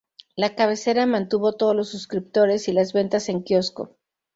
La cabecera mantuvo todos los suscriptores y las ventas en quiosco.